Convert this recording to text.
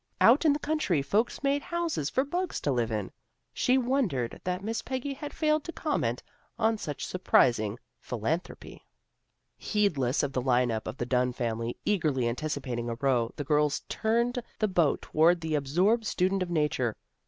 Out in the country folks made houses for bugs to live in. She AN EVENTFUL PICNIC 327 wondered that Miss Peggy had failed to com ment on such surprising philanthropy. Heedless of the line up of the Dunn family, eagerly anticipating a row, the girls turned the boat toward the absorbed student of nature.